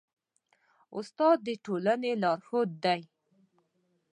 استاد د ټولني لارښود دی.